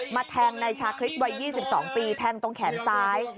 แทงนายชาคริสวัย๒๒ปีแทงตรงแขนซ้าย